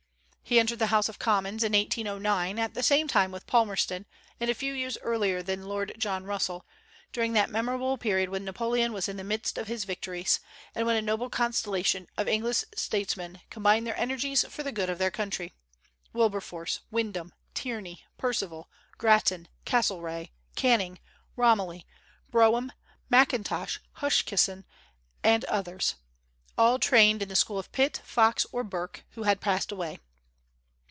He entered the House of Commons in 1809, at the same time with Palmerston, and a few years earlier than Lord John Russell, during that memorable period when Napoleon was in the midst of his victories, and when a noble constellation of English statesmen combined their energies for the good of their country, Wilberforce, Wyndham, Tierney, Perceval, Grattan, Castlereagh, Canning, Romilly, Brougham, Mackintosh, Huskisson, and others, all trained in the school of Pitt, Fox, or Burke, who had passed away.